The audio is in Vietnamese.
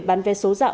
bán vé số dạo